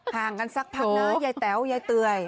ห่างกันสักพักนะยายแต๋วยายเตย